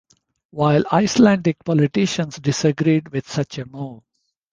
While Icelandic politicians disagreed with such a move.